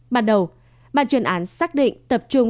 ban đầu ban chuyên án xác định tập trung